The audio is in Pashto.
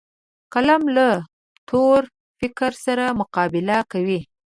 قلم له تور فکر سره مقابل کوي